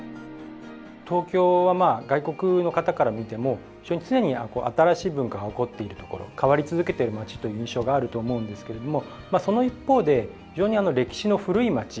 東京は外国の方から見ても非常に常に新しい文化が興っている所変わり続けている町という印象があると思うんですけれどもその一方で非常に歴史の古い町でもあると思うんですよね。